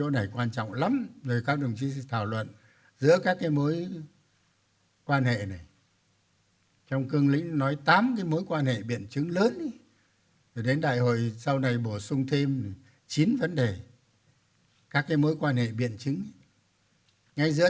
đề nghị các đồng chí trung ương nghiên cứu kỹ thảo luận cho ý kiến về dự thảo báo cáo